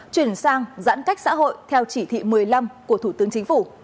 chuyển sang giãn cách xã hội theo chỉ thị một mươi năm của thủ tướng chính phủ